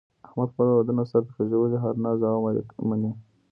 احمد خپل اولادونه سرته خېژولي، هر ناز او امر یې مني.